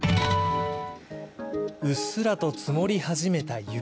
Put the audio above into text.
うっすらと積もり始めた雪。